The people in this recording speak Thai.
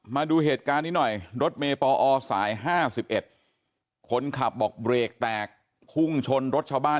มาดูเหตุการณ์นี้หน่อยรถเมย์ปอสาย๕๑คนขับบอกเบรกแตกพุ่งชนรถชาวบ้าน